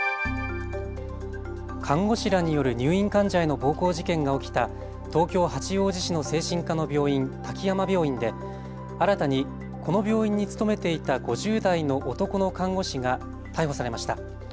看護師らによる入院患者への暴行事件が起きた東京八王子市の精神科の病院、滝山病院で新たにこの病院に勤めていた５０代の男の看護師が逮捕されました。